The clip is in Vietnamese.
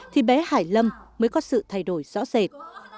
thì bé hải lâm mới có sự thay đổi rõ rệt